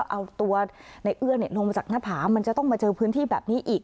เอาตัวในเอื้อลงมาจากหน้าผามันจะต้องมาเจอพื้นที่แบบนี้อีก